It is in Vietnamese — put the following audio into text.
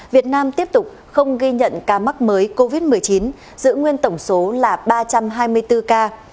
việt nam tiếp tục không ghi nhận ca mắc mới covid một mươi chín giữ nguyên tổng số là ba trăm hai mươi bốn ca